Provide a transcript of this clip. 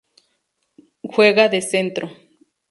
Juega de centro.